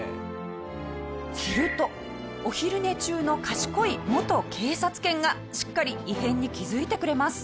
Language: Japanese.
するとお昼寝中の賢い元警察犬がしっかり異変に気付いてくれます。